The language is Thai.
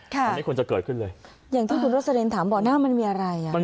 ที่ควรจะเกิดขึ้นเลยอย่างที่ทุนรสเรนถามเบาะหน้ามันมีอะไร